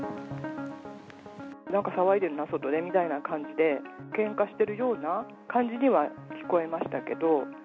なんか騒いでるな外でみたいな感じで、けんかしてるような感じには聞こえましたけど。